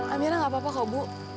amira gak apa apa kok bu